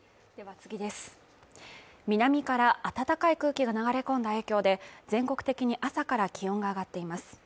南から暖かい空気が流れ込んだ影響で全国的に朝から気温が上がっています。